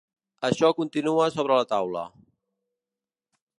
Això continua sobre la taula.